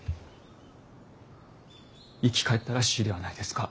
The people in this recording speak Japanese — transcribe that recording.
生き返ったらしいではないですか。